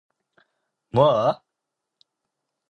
뭐?